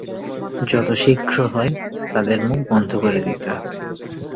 যত শীঘ্র হয়, তাদের মুখ বন্ধ করে দিতে হবে।